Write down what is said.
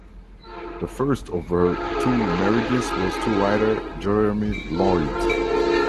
The first of her two marriages was to writer Jeremy Lloyd.